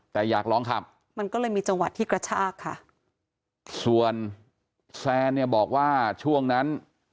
แต่อยากลองขับมันก็เลยมีจังหวะที่กระชากค่ะส่วนแซนเนี่ยบอกว่าช่วงนั้น